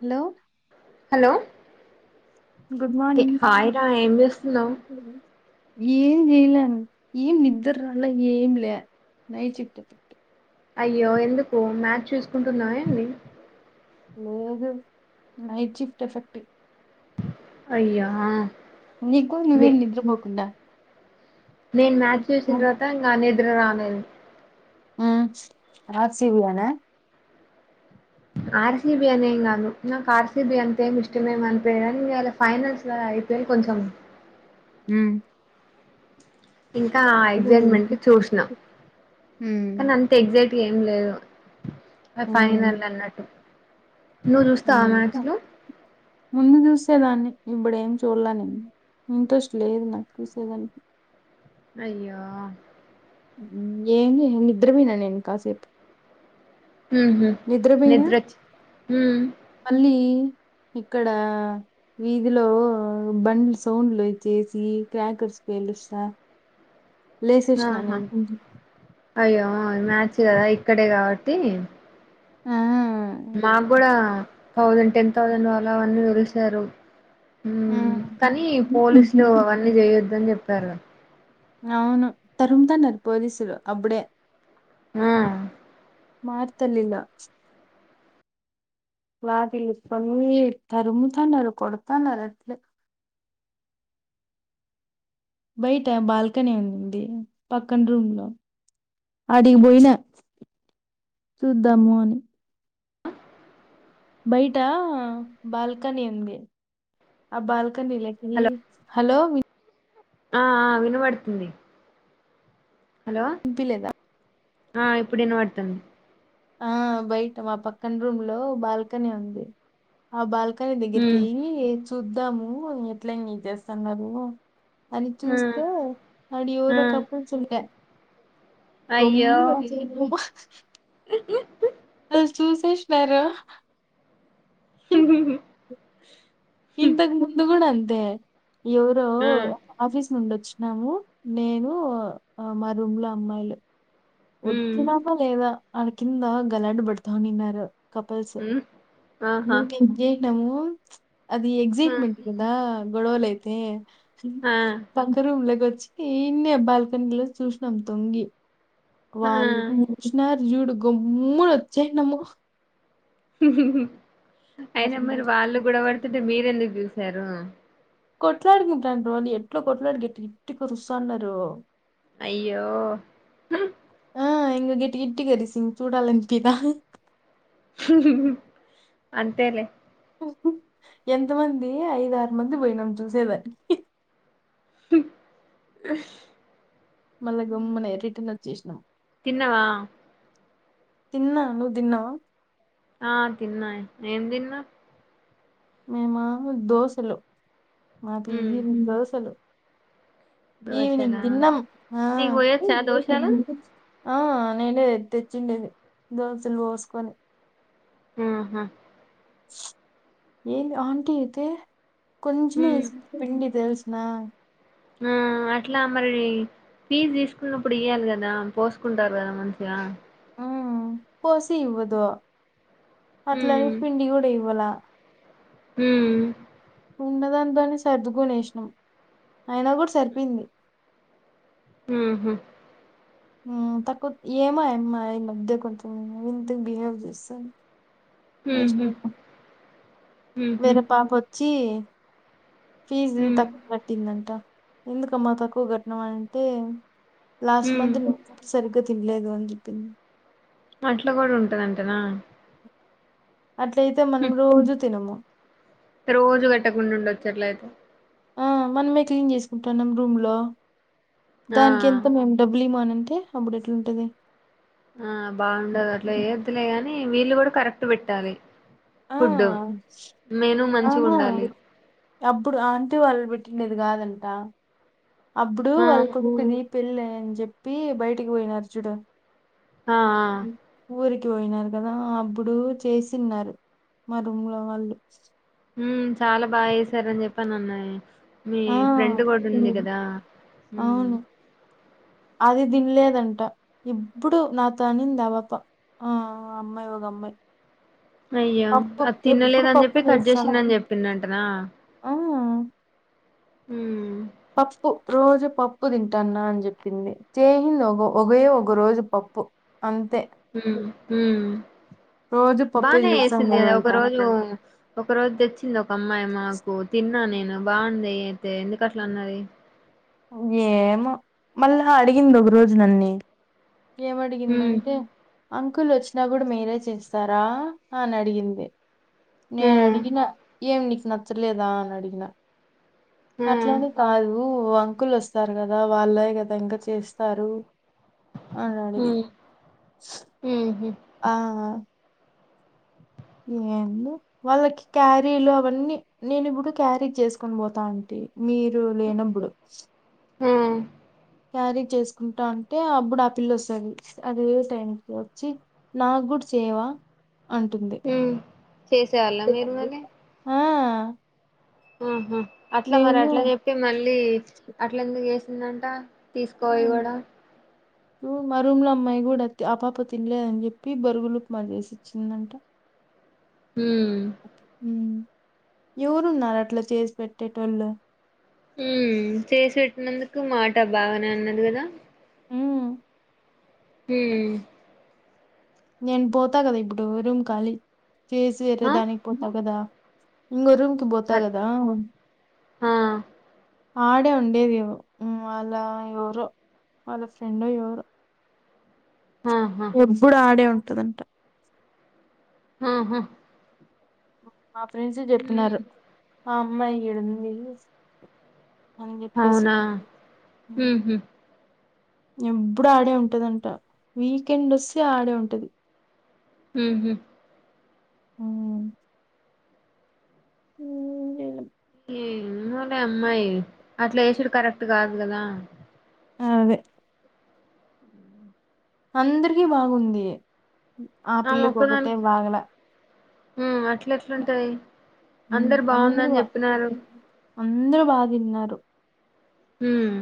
Hello hello good morning hi రా ఏం చేస్తున్నావ్. ఏం చేయలే ఏం నిద్ర రాలే ఏం లే నైట్ షిఫ్ట్. అయ్యో ఎందుకు మ్యాచ్ చూసుకుంటున్నావ ఏంది. లేదు నైట్ షిఫ్ట్ ఎఫెక్ట్. అయ్యా నీకు నే నువ్వేం నిద్ర పోకుండా నేను మ్యాచ్ చూసిన తర్వాత ఇంకా నిద్ నిద్ర రాలేదు. ఉమ్ రాసివుయానా ఆర్ సి బి అనేం కాదు నాకు ఆర్ సి బి అంతేమి ఇష్టమేము అనిపియదు కానీ ఇవాళ ఫైనల్స్ కదా ఐపిఎల్ కొంచెం ఉమ్ ఇంకా ఎగ్జైట్మెంట్ కి ఉమ్, చూసినా కానీ అంతేం ఎగ్జైట్ ఏం లేదు ఫైనల్ అన్నట్టు. నువ్వు చూస్తావా మ్యాచ్ చూస్తా లు ముందు చూసే దాన్ని. ఇప్పుడు ఏం చూడాలే నేను ఇంట్రెస్ట్ లేదు. నాకు చూసేదానికి. అయ్యో ఏం చేయాలి నిద్రపోయిన నేను కాసేపు. ఉమ్మ్ నిద్రపోయినా నిద్రచ్చి ఉమ్ మళ్ళీ ఇక్కడ వీధిలో బండ్లు సౌండ్లు చేసి క్రాకర్స్ పెళ్లుస్తా. లేసి చూసున ఆహా నేను. అయ్యో మ్యాచ్ కదా ఇక్కడే కాబట్టి. ఆ మాకు కూడా థౌజండ్ టెన్ థౌసండ్ వాళ అవన్నీ తెలిసారు ఆ కానీ పోలీసులు అవన్నీ చేయొద్దు అని చెప్పారు అవును తరు తాన్నారురి పోలీసులు అప్పుడే ఆా మార్తలిల వారిలు కొన్న తరుముతనారు కొడతనారు బయట బాల్కనీ ఉందింది పక్కన రూమ్ లో అడిగిపోయినా చూద్దాము అని బయట బాల్కని ఉంది ఆ బాల్కని ల్ హలో హలో మీ ఆ విను పడుతుంది తి లేదా ఆ ఇప్పుడు వినాడుతుంది ఆ బయట మా పక్కన రూమ్ లో బాల్కనీ ఉంది ఆ బాల్క కనీ దగ్గిరికి ఉమ్ వెళ్లి చూద్దాము ఎట్ల న చేస్తున్నారు అని ఆ చూస్తే అడి ఆ ్రకప్పుడు చ అయ్యో గమ్మున వచ్చి చూసేసిన్నారు హ ఇంతకు ముందు కూడా అంతే బ ఎవరో ఆ ఆఫీస్ నుండొచ్చు ము నేను మా రూమ్ లో అమ్మాయిలు ఉమ్ వచ్చినామా లేదా వాళ్ళ కింద గలాడ్బడతానిన్నారు కపల్స్ ఉమ్ ఆహా మేక ఎం చేసినము పో అది ఆ ఎక్సైట్మెంట్ కందా గడవలు అయితే ఆ పక్క రూమ్ లకు వా వచ్చి ఇన్నే బాల్కనీలో చూసినాం తొంగి ఆ వాళ్ళు పూషన్నారు జూడు గమ్మున వచ్చేసినాము అయినా మరి వాళ్ళు గొడవడుతుంటే మీరెందుకు చూస్ సరూ కొట్లాడుకుంటున్నారు ఎట్ల కొట్లాడి గట్టి గట్టిగా అరుస్తన్నారు అయ్యో ఆ ఇంగ గట్టి గట్టిగా అరిసి ఇంగ చూడాలి అనిపిదా అంతేలే ఎంత మంది ఐదారు మంది పోయినాం చూసేదానికి మళ్ళ గమ్మున రిటర్న్ వచ్చేసినాం తిన్నవా తిన్నా నువ్వు తిన్నావా ఆ తిన్నా ఏం తిన్నా మేమ దోసేలు మా ఉమ్ పేజీ దోశలు ఈవినింగ్ దోశలా దిన్నం ఆ నీకు పోయొచ్చా దోశలు ఆ నేనే తెచ్చిండేది దోసేలు పోసుకొని ఆహా ఏంది ఆంటీ అయితే కొంచమే ఉమ్ ఏసింది పిండి తెలుసా నా ఆ అట్లా మరి ఫీజ్ తీసుకున్నప్పుడు ఇయ్యాలి కదా పోసుకుంటారు కదా మంచిగా మ్మ్ కోసి ఇవదు అట్లానే పిండి కూడా ఇవ్వల మ్మ్ ఉన్నదానింతోనే సర్దుకొనేసిన అయినా కూడా సరిపోయింది హ్మ్ హు మ్మ్ తక్కువ ఏమో ఆయమ్మ మా ఆయమ్మ ముందే కొంచెం [unintelligible] బిహేవ్ చేస్తాది ఉహు వేసినాలే పా ఉహు వేరే పాప వచ్చి ఫీజ్ ఉమ్ తక్కువ కట్టిందంట ఎందుకమ్మ తక్కువ కట్టినావ్ అని అంటే లాస్ట్ ఉమ్ మంత్ నువ్ సరిగ్గా తినలేదు అని చెప్పింది అట్ల కూడా ఉంటదంటనా అట్లయితే మనం రోజు తినము రోజు కట్టకుండా ఉండొచ్చు అట్లయితే ఆ మనమే క్లీన్ చేసుకుంటన్నాం రూమ్ లో ఆ దానికి ఎంత మేం డబ్బులు ఈము అనన్ టే అప్పుడు ఎట్లుంటది ఆ బాగుండదు అట్లో ఏ వద్దులేగాని వీళ్ళు కూడా కరెక్ట్ పెట్టాలే ఆ మంచిగా ఆహా ఉండాలి అప్పుడు ఆంటీ వాళ్ళు బిట్ కిన్నది కాదంట అప్పుడు ఆ వాళ్ళ కుడుకుది పెళ్ళై అని చెప్పి బయటికి పోయిన్నారు చూడు ఆ ఎ పోయినారు కదా అప్పుడు చేసిన్నారు మా రూమ్ లో వాళ్ళు ఉమ్ చాలా బాగా చేసారని చెప్పాను అన్నయ్ మీ ఆ ఫ్రెండ్ కూడా ఉంది కదా ఉమ్ అవును అది తినలేదంట ఇప్పుడు నాతో అనింది ఆబప ఆ అమ్మాయి ఒక అమ్మాయి అయ్యో పప్పు అది ఎప్పుడు తినలేదని పప్పు చెప్పి కట్ చేస్తాను చేసిందిని చెప్పందింటనా ఆ హమ్ పప్పు రోజు పప్పు తింటాన్నా అని చెప్పింది చేయింది ఒక ఒకయ ఒక రోజు పప్పు అంతే హమ్ రోజు పప్పే బానే వేసింది అదా ఒక చేస్తాన్నారంట రోజు ఒక రోజు తెచ్చి వచ్చింది ఒక అమ్మాయి మాకు తిన్నా నేను బాగుంది అయితే ఎందుకు అట్లా అన్నది ఏమో మళ్ళా అడిగింది ఒక రోజు నన్నీ మ్మ్ ఏమడిగిందంటే అంకుల్ వచ్చినా కూడా మీరే చేస్తారా అని అడిగింది మ్మ్ నేనడిగిన ఏం నీకు నచ్చలేదా అని అడిగిన మ్మ్ అట్లాని కాదూ అంకుల్ వస్తారు కదా వాళ్ళే కదా ఇంక చేస్తారు అన్ని అంది మ్మ్ ఆ ఏం వాళ్ళకి క్యారీలు అవన్నీ నేను ఇప్పుడు క్యారీ చేసుకొని పోతా అంటి మీరు లేనప్పుడు ఆమ్ క్యారీ చేసుకుంటా అంటే అప్పుడు ఆపిల్ల వస్తుంది అదే టైంకి వచ్చి నాకు కూడా చేయవా అంటుంది మ్మ్ చేసేవాళ్ళ మీరు ఆ ఆ అహమ్ అట్ల మరి అట్ల చెప్పి మళ్ళీ అట్ల ఎందుకు చేసిందంట తీసుకువోయి కూడా మ రూమ్ లో అమ్మాయి కూడా అంతే ఆపాప తినలేదని, చెప్పి బొరుగులు ఉప్మా చేేసి ఇచ్చిందంట. హు ఉమ్ ఎవరున్నారు అట్లా చేసి పెట్టేటోళ్ళు హ్మ్ చేసి పెట్టినందుకు మాట బాగానే అన్నది కదా ఉ హ్మ్ నేను పోతా కదా ఇప్పుడు రూమ్ ఖాళీ చేసి వేరే ఆ దానికి పోతావదా ఇంగొరు పోతా అ కదా ఆ ఆడే ఉండేది వాళ్ళ ఎవరో వాళ్ళ ఫ్రెండ్ ఎవరో ఆహా ఎబ్బుడు అడే ఉంటా అదంట ఆహా బ మా ప్రెండ్స్ చెప్పినారు హ్మ్ ఆ అమ్మాయ్ ఈడుంది అని చెప్పేసి అవునా హు హు ఎబ్బుడు ఆడే ఉంటది అంట. వీకెండ్ వస్తే ఆడే ఉంటది. హ్మ్ హు అ ఊ ఏందో లే ఆ అమ్మాయి అట్లా వేసిడు కరెక్ట్ కాదు కదా ఆ అదే అందరికి బాగుంది ఆ పిల్లకు వొగతేే బాగల ఆ అట్ల ఉ అందరు బాగుందని చెప్పినారు అందరు బాగా తిన్నారు హ్మ్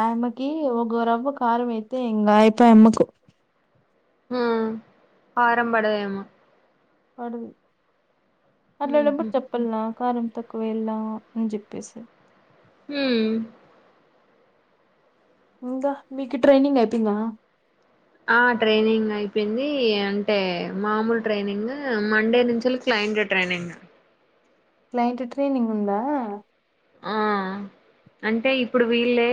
ఆ అమ్మకి ఒగరవ్వ కారం వైతే ఎంగ అయిపోయా అమ్మకు ఆ కారం పడదేమో పడింద్ అట్లా ఉహు లోప్పుడు చెప్పల్ కారంమి ఒకవేళ అని చెప్పేసి హ్మ్ ఇంకా మీకు ట్రైనింగ్ అయిపోయింద ఆ ట్రైనింగ్ అయిపోయింది అంటే మామూలు ట్రైనింగ్ మండే నుంచి క్లయింట్ ట్రైనింగ్ నైట్ ట్రైనింగ్ ఉంద ఆ అంటే ఇప్పుడు వీళ్ళే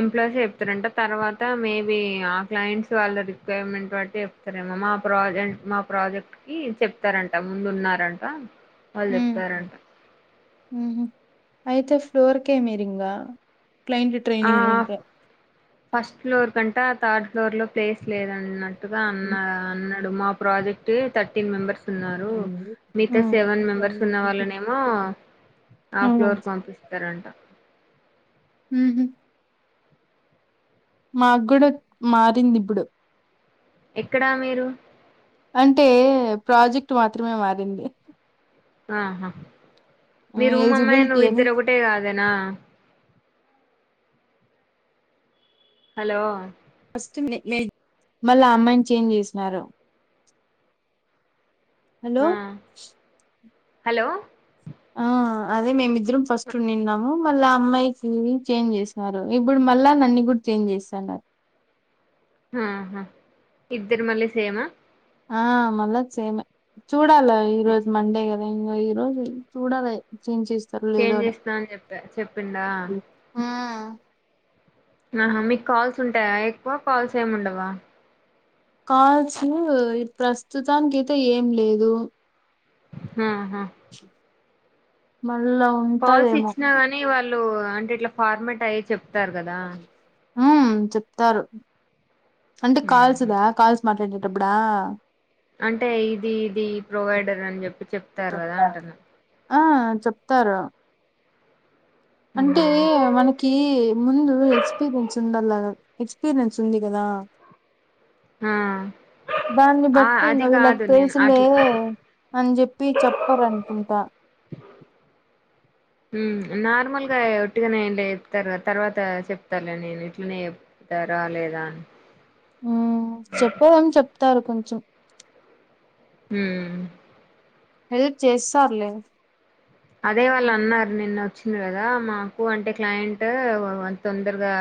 ఎంప్లాయీస్ చెప్తారంట తర్వాత మేబి ఆ క్లయింట్స్ వాళ్ళ రిక్వైర్మెంట్ బట్టి చెప్తారేమో మా ప్రాజె మా ప్రాజెక్ట్ కి చెప్తారంట ముందు ఉన్నారంట వాళ్లు చెప్తారంట హమ్ హమ్ అయితే ఫ్లోర్ కెమెరియింగ్ ఆ ఫస్ట్ ఫ్లోర్ కంట అ థర్డ్ ఫ్లోర్ లో ప్లేస్ లేదన్నా అన్నట్టుగ అన్నా అన్న మా ప్రజెక్ట్ తర్టీన్ మెంబెర్స్ ఉమ్ మిగతా సెవెన్ మెంబర్స్ ఉన్న వాళ్ళనేమో ఆ ఫ్లోర్ పంపిస్తారంట మ్మ్ హ్మ్ మాగ్గుడ మారింది ఇబుడు ఎక్కడ మీరు అంటే ప్రాజెక్ట్ మాత్రమే మారింది ఆహా మీరుూమ్మమ్మాయి ఎలిజిబిలిటీ నువ్వు అని ఇద్దరు ఒకటే కాదేనా హలో మళ్ళా అమ్మాయిని చేంజ్ చేసినారు హలో ఆ హలో ఆ అదే మేమి రు ఫస్ట్ వునిన్నాము మళ్ళా అమ్మాయికి చేంజ్ చేసనరు ఇప్పుడు మళ్ళా నన్ను కూడా చేంజ్ చేస్తున్నారు ఆహా ఇద్దరు మళ్ళీ సేమ్ ఆ ఆ మళ్ళ సేమే చూడాల ఈ రోజు మండే ఇంక ఈ రోజు చూడాల చేంజ్ చేస్త చేంజ్ చేస్తాంని చెప్పా చెప్పిండా ఆ ఆహా మీకు కాల్స్ ఉంటాయా ఎక్కువ కాల్స్ ఏం ఉండవ కాల్స్ ప్రస్తుతానికైతే ఏం లేదు ఆహా బ కాల్స్ ఇచ్చినా కానీ వాళ్ళు అంటే ఇట్లా ఫార్మట్ అయ్య చెప్ తరు కదా ఆ చెప్తరు అంటే కాల్స్ ఉహు దా కాల్స్ మాట్లాడ అపుడా అంటే ఇది ఇది ప్రొవైడర్ అని చెప్పి చెప్తారు కదా అంటున్నా ఆ చెప్తారు అంటే మనకి ముందు ఎక్స్పీరియన్స్ ఉండాలి ఎక్స్పీపీరియన్స్ ఉంది కదా ఆ దాన్ని ఆ అది బట్టికా ఇీలాకి కాదు నేను తెలుసులే అట్లా అని చెప్పి చెప్పరనుకుంటా నార్మల్గా ఒట్టిగానే ఇట్లా చెప్తారు తర్వాత చెప్తారు నేను ఇట్లనే చెప్తారాాలేదా అని హు చెప్పదం చెప్ప తారు కొంచెం హ హెల్ప్ చేస్తారులే అదే వాళ్ళు అన్నారు నిన్న వచ్చి కదా మాకు అంటే క్లయింట్ తొందరగా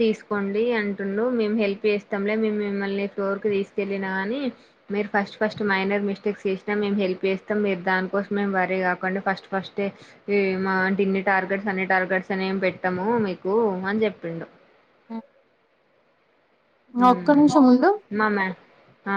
తీసుకోండి అంటుండు మేము హెల్ప్ చేస్తాంలే మే మిమ్మల్ని ఫ్లోర్ క తీసుకెళ్ళిన కాగానీ మీరు ఫస్ట్ ఫస్ట్ మైనర్ మిస్టేక్స్ చేసిన మే హెల్ప్ చేస్తాం మీరు దానికోసం మే వర్రీ కాకండి ఫస్ట్ ఫస్ట్ ఈ మా ఇన్ని టార్గెట్స్ అన్ని టార్గెట్స్ అనిమి పెట్టాము మీకు అని చెప్పిండు ఆఓ నన్నే ఆ